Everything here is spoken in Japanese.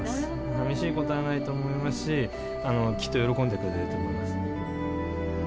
さみしいことはないと思いますしきっと喜んでくれると思います。